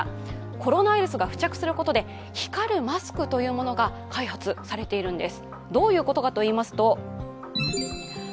コロナウイルスが付着することで光るマスクというのが開発されているんです。